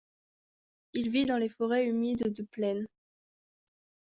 Il vit dans les forêts humides de plaine.